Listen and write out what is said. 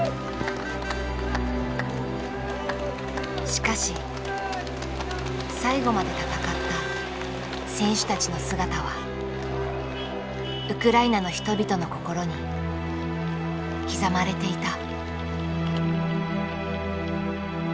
しかし最後まで戦った選手たちの姿はウクライナの人々の心に刻まれていた。